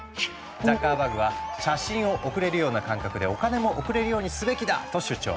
ザッカーバーグは「写真を送れるような感覚でお金も送れるようにすべきだ」と主張。